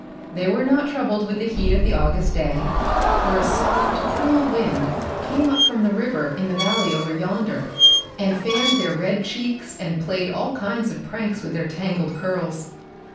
They were not troubled with the heat of the August day, for a soft, cool wind came up from the river in the valley over yonder and fanned their red cheeks and played all kinds of pranks with their tangled curls.